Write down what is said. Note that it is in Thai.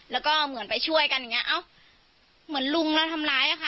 แล้วก็เหมือนไปช่วยกันอย่างเงี้เอ้าเหมือนลุงเราทำร้ายอะค่ะ